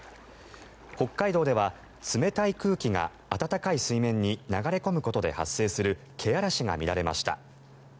北海道では冷たい空気が暖かい水面に流れ込むことで発生するけあらしが見られました。